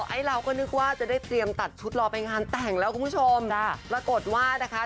ไอ้เราก็นึกว่าจะได้เตรียมตัดชุดรอไปงานแต่งแล้วคุณผู้ชมปรากฏว่านะคะ